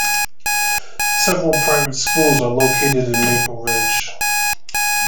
Several private schools are located in Maple Ridge.